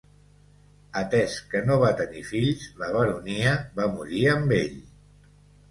Atès que no va tenir fills, la baronia va morir amb ell.